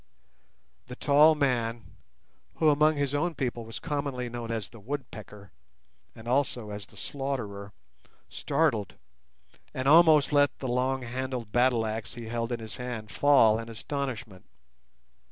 The tall man (who among his own people was commonly known as the "Woodpecker", and also as the "Slaughterer") started, and almost let the long handled battleaxe he held in his hand fall in his astonishment.